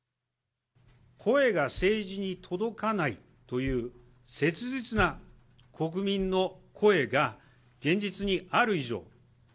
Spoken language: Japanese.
声が政治に届かないという切実な国民の声が現実にある以上。